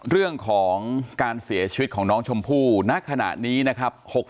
เรื่องของการเสียชีวิตของน้องชมพู่ณขณะนี้นะครับ